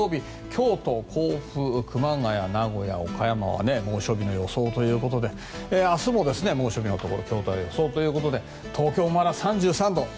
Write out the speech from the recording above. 京都、甲府、熊谷、名古屋、岡山猛暑日の予想ということで明日も猛暑日のところ京都などが予想ということで東京まだ３３度。